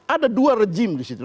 ada dua rejim di situ